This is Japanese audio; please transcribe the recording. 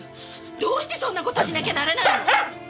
どうしてそんな事しなきゃならないの！？